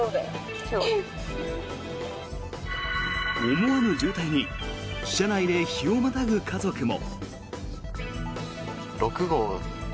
思わぬ渋滞に車内で日をまたぐ家族も。